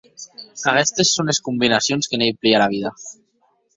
Qu’aguestes son es combinacions que n’ei plia era vida.